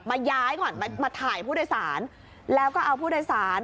ย้ายก่อนมาถ่ายผู้โดยสารแล้วก็เอาผู้โดยสาร